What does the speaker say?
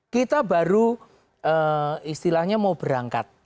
kita baru istilahnya mau berangkat